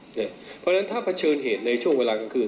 เพราะฉะนั้นถ้าเผชิญเหตุในช่วงเวลากลางคืน